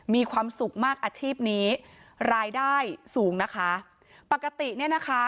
มีความสุขมากอาชีพนี้รายได้สูงนะคะปกติเนี่ยนะคะ